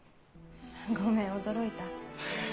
ごめん驚いた？